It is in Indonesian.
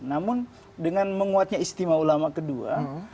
namun dengan menguatnya istimewa ulama kedua